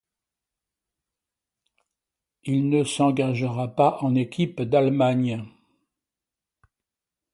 Il ne s'engagera pas en équipe d'Allemagne.